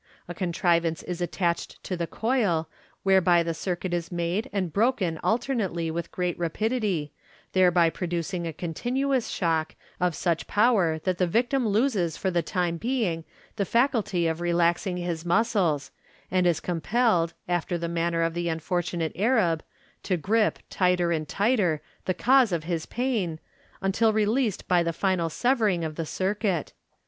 A con trivance is attached to the coil, whereby the circuit is made and broken alternately with great rapidity, thereby producing a continuous shock, of such power that the victim loses for the time being the faculty of relaxing his muscles, and is compelled, after the manner of the unfortunate Arab, to grip, tighter and tighter, the cause of his pain, until released by the final severing of the circuit.